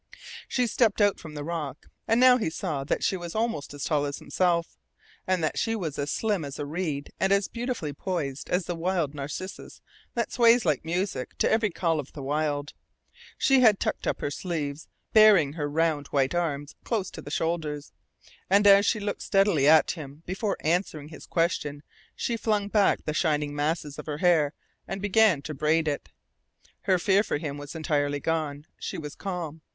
She stepped out from the rock. And now he saw that she was almost as tall as himself, and that she was as slim as a reed and as beautifully poised as the wild narcissus that sways like music to every call of the wind. She had tucked up her sleeves, baring her round white arms close to the shoulders, and as she looked steadily at him before answering his question she flung back the shining masses of her hair and began to braid it. Her fear for him was entirely gone. She was calm.